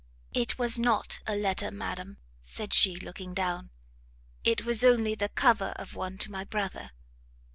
"It was not a letter, madam," said she, looking down, "it was only the cover of one to my brother."